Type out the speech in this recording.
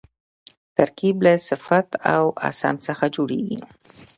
ترکیب له صفت او اسم څخه جوړېږي.